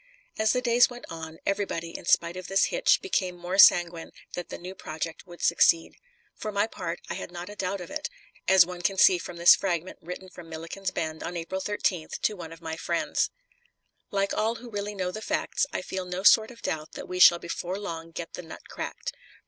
As the days went on everybody, in spite of this hitch, became more sanguine that the new project would succeed. For my part I had not a doubt of it, as one can see from this fragment written from Milliken's Bend on April 13th to one of my friends: "Like all who really know the facts, I feel no sort of doubt that we shall before long get the nut cracked.